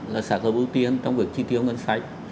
là xác lập ưu tiên trong việc chi tiêu ngân sách